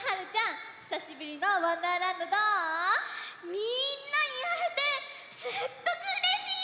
みんなにあえてすっごくうれしい！